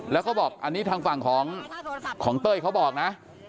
แล้วก็บอกอันนี้ทางฝั่งของเต้ยเขาบอกนะ